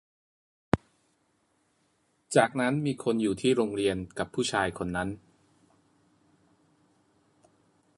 จากนั้นมีคนอยู่ที่โรงเรียนกับผู้ชายคนนั้น